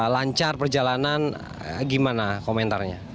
lancar perjalanan gimana komentarnya